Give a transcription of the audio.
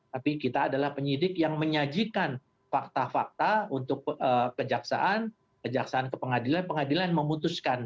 tapi kita adalah penyidik yang menyajikan fakta fakta untuk kejaksaan kejaksaan ke pengadilan pengadilan memutuskan